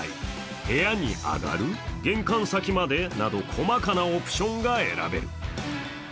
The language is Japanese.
部屋に上がる、玄関先までなど細かなオプションが選べる。